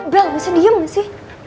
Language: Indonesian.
bel gak usah diem gak sih